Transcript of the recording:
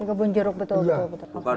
kebun jeruk betul